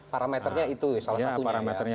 parameternya itu salah satunya